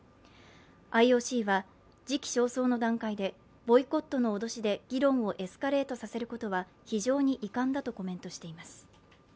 ＩＯＣは時期尚早の段階でボイコットの脅しで議論をエスカレートさせることは非常に遺憾だとコメントしています。